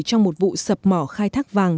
trong một vụ sập mỏ khai thác vàng